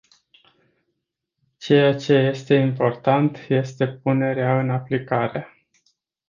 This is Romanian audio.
Ceea ce este important este punerea în aplicare.